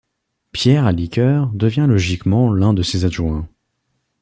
Pierre Aliker devient logiquement l'un de ses adjoints.